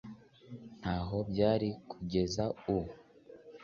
nta ho byari kugeza u